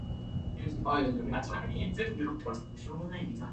The talk went unnoticed and did not inspire the conceptual beginnings of the field.